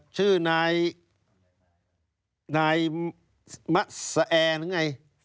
ชื่อนายมาโซแอหรือยังไง